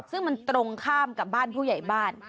ซึ่งมันตรงข้ามกับบ้านผู้ใหญ่บ้าน